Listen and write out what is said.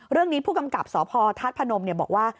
เรื่องนี้ผู้กำกับจทพปบอกว่า